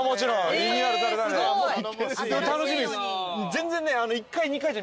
全然ね。